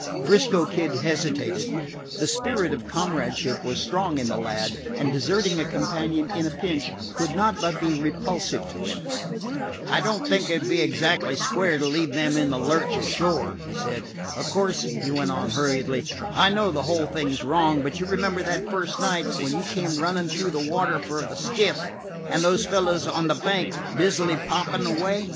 'Frisco Kid hesitated. The spirit of comradeship was strong in the lad, and deserting a companion in a pinch could not but be repulsive to him. "I don't think it 'd be exactly square to leave them in the lurch ashore," he said. "Of course," he went on hurriedly, "I know the whole thing 's wrong; but you remember that first night, when you came running through the water for the skiff, and those fellows on the bank busy popping away?